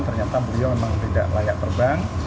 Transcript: ternyata beliau memang tidak layak terbang